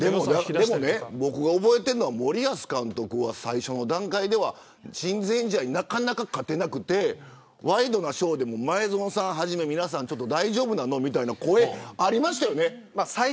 僕が覚えてるのは森保監督は最初の段階では親善試合で、なかなか勝てなくてワイドナショーでも前園さんをはじめ皆さん、大丈夫なのみたいな声ありましたよね。